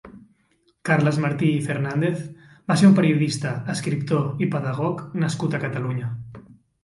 Carles Martí i Fernández va ser un periodista, escriptor i pedagog nascut a Catalunya.